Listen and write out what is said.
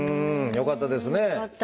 よかったです。